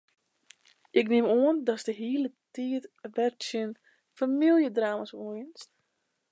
Ik nim oan datst hieltyd wer tsjin famyljedrama's oanrinst?